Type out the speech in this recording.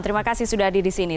terima kasih sudah hadir di sini